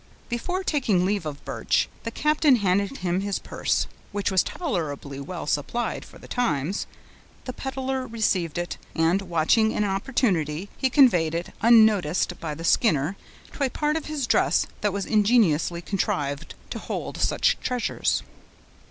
Before taking leave of Birch, the captain handed him his purse, which was tolerably well supplied for the times; the peddler received it, and, watching an opportunity, he conveyed it, unnoticed by the Skinner, to a part of his dress that was ingeniously contrived to hold such treasures.